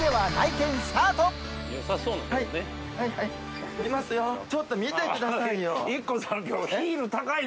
見ますよちょっと見てくださいよ！